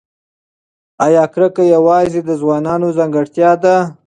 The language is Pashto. ایا کرکه یوازې د ځوانانو ځانګړتیا ده؟